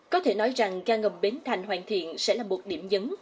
có thể nói rằng ga ngầm bến thành hoàn thiện sẽ là một điểm dấn